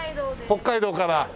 北海道から。